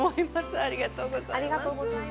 ありがとうございます。